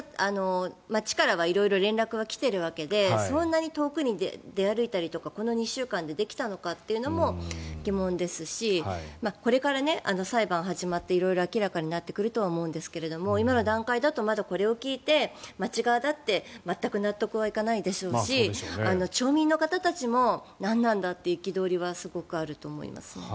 町からは色々連絡は来ているわけでそんなに遠くに出歩いたりとかこの２週間でできたのかも疑問ですしこれから裁判が始まって色々明らかになってくると思うんですが今の段階だと、まだこれを聞いて町側だって全く納得いかないでしょうし町民の方たちも何なんだという憤りはすごくあると思います。